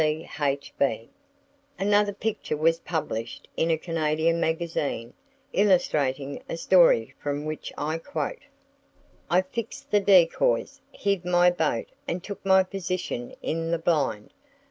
C.H.B." Another picture was published in a Canadian magazine, illustrating a story from which I quote: "I fixed the decoys, hid my boat and took my position in the blind.